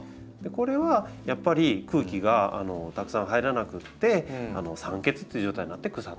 これはやっぱり空気がたくさん入らなくて酸欠という状態になって腐ってるかなと。